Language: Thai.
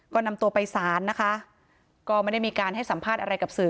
ก็นำตัวไปสารนะคะก็ไม่ได้มีการให้สัมภาษณ์อะไรกับสื่อ